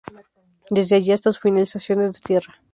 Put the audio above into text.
Desde allí hasta su finalización es de tierra.